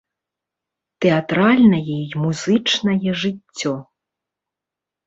Тэатральнае і музычнае жыццё.